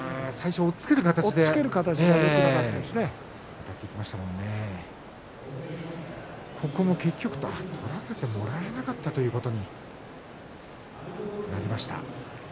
押っつける形が結局取らせてもらえなかったということになりました。